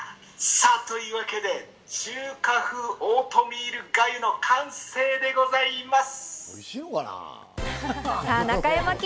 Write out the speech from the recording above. さぁ、というわけで中華風オートミール粥の完成でございます。